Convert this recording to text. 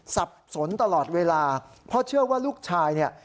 สับสนตลอดเวลาเพราะเชื่อว่าลูกชายเนี่ย